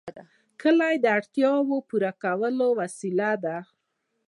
کلي د اړتیاوو د پوره کولو وسیله ده.